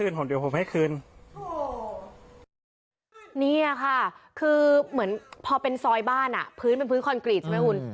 นี่ค่ะคือเหมือนพอเป็นซอยบ้านอ่ะพื้นเป็นพื้นคอนกรีตใช่ไหมคุณ